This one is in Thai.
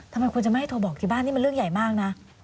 ทำไมคุณจะไม่ให้โทรบอกที่บ้านนี่มันเรื่องใหญ่มากนะ